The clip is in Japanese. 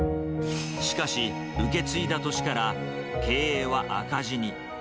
しかし、受け継いだ年から経営は赤字に。